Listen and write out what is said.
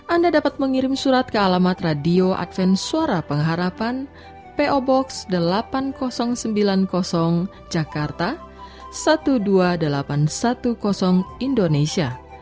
anda dapat mengirim surat ke alamat radio adventsuara pengharapan po box delapan ribu sembilan puluh jakarta dua belas ribu delapan ratus sepuluh indonesia